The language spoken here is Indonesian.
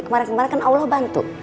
kemarin kemarin kan allah bantu